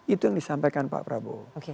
itu yang disampaikan pak prabowo